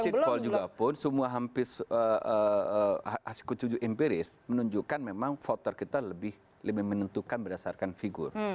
exit poll juga pun semua hampir empiris menunjukkan memang faktor kita lebih lebih menentukan berdasarkan figure